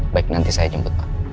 baik nanti saya jemput pak